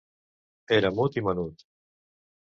Era mut i menut.